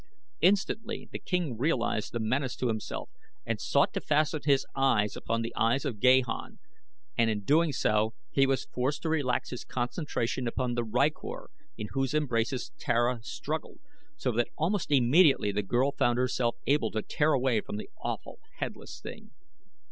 Instantly the king realized the menace to himself and sought to fasten his eyes upon the eyes of Gahan, and in doing so he was forced to relax his concentration upon the rykor in whose embraces Tara struggled, so that almost immediately the girl found herself able to tear away from the awful, headless thing.